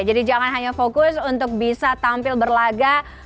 jadi jangan hanya fokus untuk bisa tampil berlaga